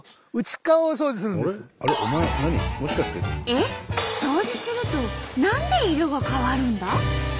えっ？掃除すると何で色が変わるんだ？